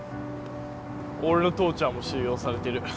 俺の父ちゃんも収容されてる。